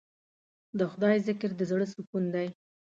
د خدای ذکر د زړه سکون دی.